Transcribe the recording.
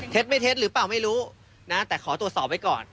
ไม่เท็จหรือเปล่าไม่รู้นะแต่ขอตรวจสอบไว้ก่อน